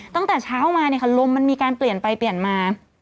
ตั้งแต่เช้ามาเนี่ยค่ะลมมันมีการเปลี่ยนไปเปลี่ยนมา